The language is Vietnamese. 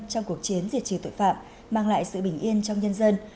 trong cuộc chiến diệt trừ tội phạm mang lại sự bình yên trong nhân dân